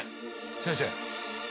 先生。